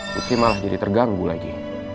tuki malah jadi terganggu lagi